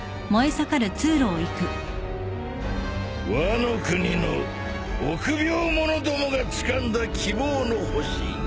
ワノ国の臆病者どもがつかんだ希望の星。